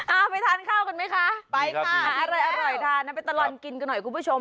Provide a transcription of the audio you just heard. เอาไปทานข้าวกันไหมคะไปค่ะอะไรอร่อยทานนะไปตลอดกินกันหน่อยคุณผู้ชม